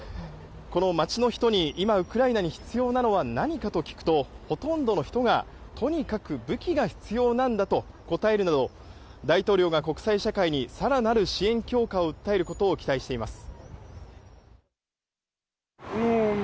街の人に、今ウクライナに必要なのは何かと聞くとほとんどの人がとにかく武器が必要なんだと答えるなど大統領が国際社会に、更なる支援強化を訴えることを期待しています。